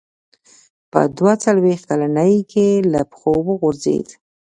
په دوه څلوېښت کلنۍ کې له پښو وغورځېد.